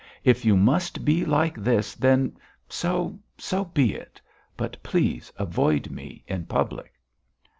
"If you must be like this, then, so so be it, but please avoid me in public!"